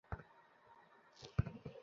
মা যখন মারা যায় তখন আমার বয়স বারো ছিল।